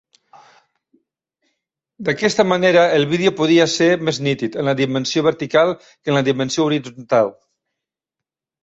D"aquesta manera, el vídeo podia ser més nítid en la dimensió vertical que en la dimensió horitzontal.